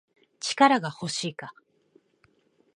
力が欲しいか